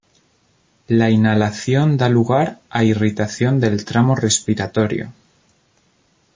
La inhalación da lugar a irritación del tramo respiratorio.